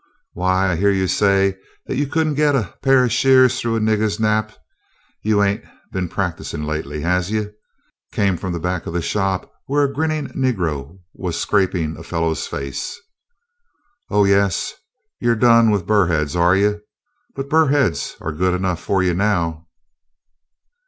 "W'y, I hyeah you say dat you could n't git a paih of sheahs thoo a niggah's naps. You ain't been practisin' lately, has you?" came from the back of the shop, where a grinning negro was scraping a fellow's face. "Oh, yes, you 're done with burr heads, are you? But burr heads are good enough fu' you now."